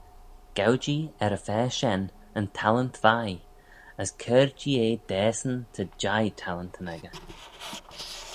Gow-jee er-y-fa shen yn talent veih, as cur-jee eh dasyn ta jeih talentyn echey.